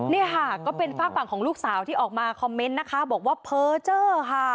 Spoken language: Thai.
นี่ค่ะก็เป็นฝากฝั่งของลูกสาวที่ออกมาคอมเมนต์นะคะบอกว่าเพอร์เจอร์ค่ะ